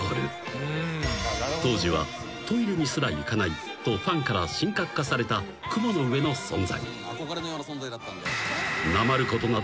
［当時はトイレにすら行かないとファンから神格化された雲の上の存在］